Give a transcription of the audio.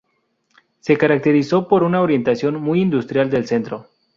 Se caracterizó por una orientación muy industrial del centro.